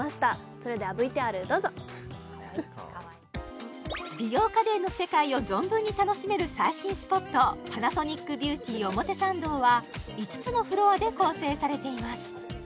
それではＶＴＲどうぞ美容家電の世界を存分に楽しめる最新スポットパナソニックビューティ表参道は５つのフロアで構成されています